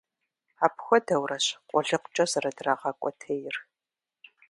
Апхуэдэурэщ къулыкъукӀэ зэрыдрагъэкӀуэтейр.